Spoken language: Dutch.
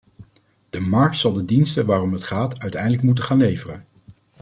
De markt zal de diensten waarom het gaat uiteindelijk moeten gaan leveren.